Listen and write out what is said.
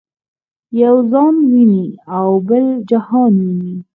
یو ځان ویني او بل جهان ویني.